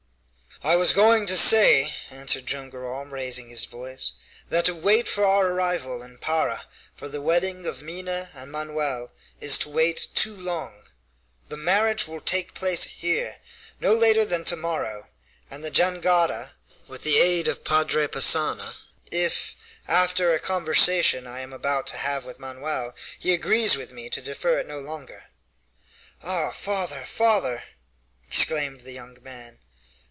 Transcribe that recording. "I was going to say," answered Joam Garral, raising his voice, "that to wait for our arrival in Para for the wedding of Minha and Manoel is to wait too long. The marriage will take place here, not later than to morrow, on the jangada, with the aid of Padre Passanha, if, after a conversation I am about to have with Manoel, he agrees with me to defer it no longer." "Ah, father, father!" exclaimed the young man.